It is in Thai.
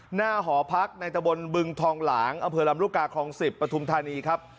หน้าหอพักในตะบนบึงทองหลางอเผลอรำรุกาของ๑๐ปฐุมธานีครับ